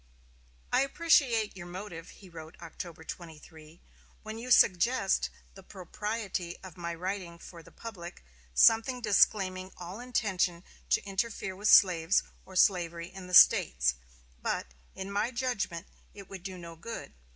"I appreciate your motive," he wrote October 23, "when you suggest the propriety of my writing for the public something disclaiming all intention to interfere with slaves or slavery in the States: but, in my judgment, it would do no good.